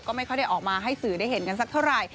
ก็ไม่ค่อยได้ออกมาให้สื่อได้เห็นกันสักเท่าไหร่